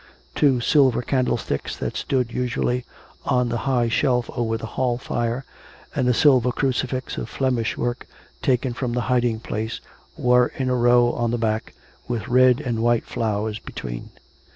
Two silver candlesticks, that stood usually on the high shelf over the hall fire, and a silver crucifix of Flemish work, taken from the hiding place, were in a row on the back, with red and white flowers between.